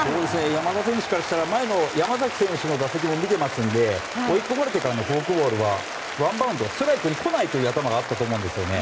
山田選手からしたら前の山崎選手の打席も見ていますので追い込まれてからのフォークボールよりはワンバウンド、ストライクにこないという頭があったと思うんですね。